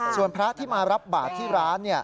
ส่วนพระที่มารับบาทที่ร้าน